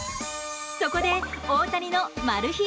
そこで、大谷のマル秘